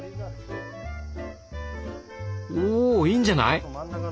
おいいんじゃない？